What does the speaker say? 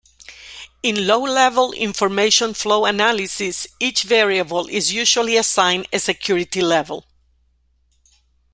In low level information flow analysis, each variable is usually assigned a security level.